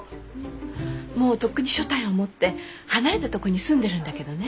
もうとっくに所帯を持って離れたとこに住んでるんだけどね。